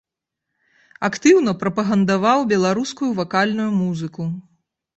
Актыўна прапагандаваў беларускую вакальную музыку.